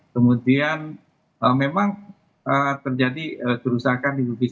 kemudian memang terjadi kerusakan di bukit